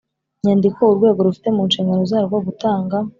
Nyandiko urwego rufite mu nshingano zarwo gutanga